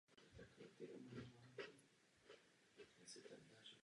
Ještě ve škole se zajímal o umění.